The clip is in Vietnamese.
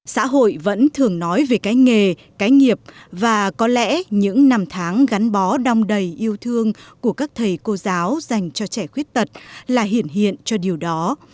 xã hội vẫn thường nói về cái nghề cái nghiệp và có lẽ những năm tháng gắn bó đong đầy yêu thương của các thầy cô giáo dành cho trẻ khuyết tật là hiển hiện hiện cho điều đó